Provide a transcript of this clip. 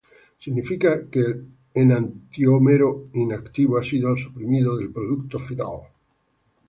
Significa que el enantiómero inactivo ha sido suprimido del producto final.